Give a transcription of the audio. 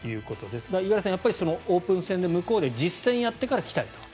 五十嵐さん、やっぱりオープン戦で向こうで実戦をやってから来たいと。